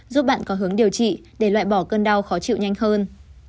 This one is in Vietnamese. giúp bạn có hướng điều trị để loại bỏ cơn đau khó chịu nhanh hơn